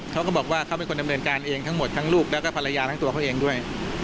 เขาก็บอกว่าเขาเป็นคนดำเนินการเองทั้งหมดทั้งลูกแล้วก็ภรรยาทั้งตัวเขาเองด้วย